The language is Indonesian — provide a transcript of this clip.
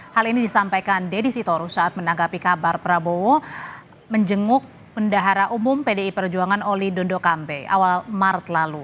hal ini disampaikan deddy sitorus saat menanggapi kabar prabowo menjenguk pendahara umum pdi perjuangan oli dondokambe awal maret lalu